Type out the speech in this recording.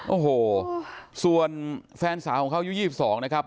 โอ้โหส่วนแฟนสาวของเขาอายุ๒๒นะครับ